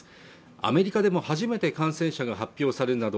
アメリカでも初めて感染者が発表されるなど